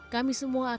kami semua akan berjaya